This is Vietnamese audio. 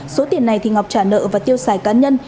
số tiền này thì ngọc trả nợ và tiêu xài cá nhân